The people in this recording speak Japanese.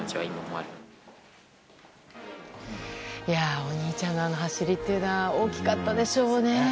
お兄ちゃんのあの走りは大きかったでしょうね。